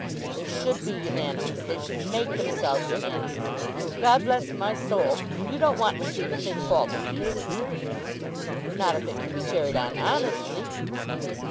"They should be unanimous. They should make themselves unanimous. God bless my soul! You don't want to see the thing fall to pieces!" "Not if it can be carried on honestly."